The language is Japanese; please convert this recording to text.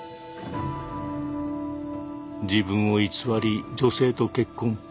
自分を偽り女性と結婚。